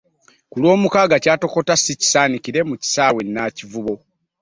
Ku Lwomukaaga kyatokota si kisaanikire mu kisaawe e Nakivubo.